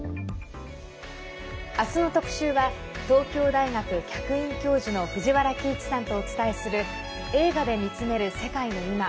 あすの特集は東京大学客員教授の藤原帰一さんとお伝えする映画で見つめる世界のいま。